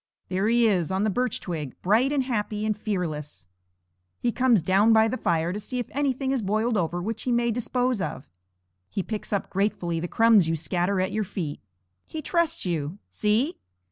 There he is on the birch twig, bright and happy and fearless! He comes down by the fire to see if anything has boiled over which he may dispose of. He picks up gratefully the crumbs you scatter at your feet. He trusts you. See!